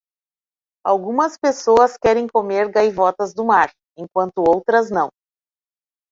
Algumas pessoas querem comer gaivotas do mar, enquanto outras não.